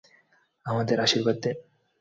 আমাদের আশীর্বাদ দিন।